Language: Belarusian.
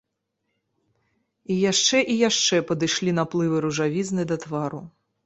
І яшчэ і яшчэ падышлі наплывы ружавізны да твару.